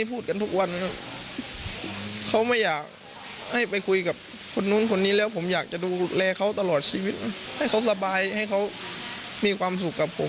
ผมอยากจะดูแลเขาตลอดชีวิตให้เขาสบายให้เขามีความสุขกับผม